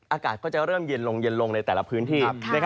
อากาศก็จะเริ่มเย็นลงเย็นลงในแต่ละพื้นที่